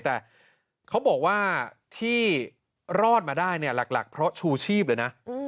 แต่เขาบอกว่าที่รอดมาได้เนี่ยหลักเพราะชูชีพเลยนะ